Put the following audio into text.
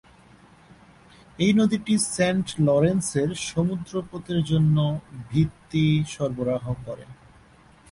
এই নদীটি Saint Lawrence এর সমুদ্র পথের জন্য ভিত্তি সরবরাহ করে।